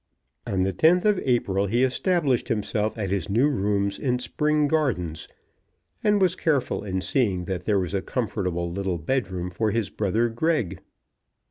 On the 10th of April he established himself at his new rooms in Spring Gardens, and was careful in seeing that there was a comfortable little bed room for his brother Greg.